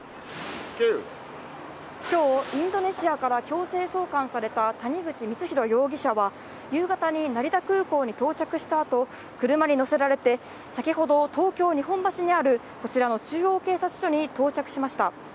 今日、インドネシアから強制送還された谷口光弘容疑者は夕方に成田空港に到着したあと車に乗せられて先ほど、東京・日本橋にあるこちらの中央警察署に到着しました。